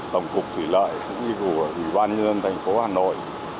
tổng cục thủy lợi cũng như của ủy ban nhân thành phố hà nội